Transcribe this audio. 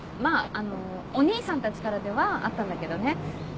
あのお兄さんたちからではあったんだけどね。